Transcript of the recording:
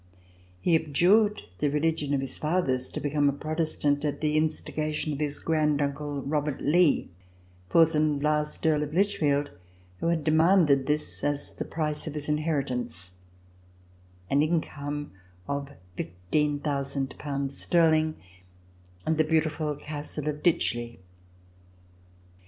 He abjured the religion of his fathers to become a Protestant at the instigation of his grand uncle, Robert Lee, fourth and last Earl of Lichfield, who had demanded this as the price of his inheritance, an income of 15,000 pounds sterling and the beautiful castle of Ditchley.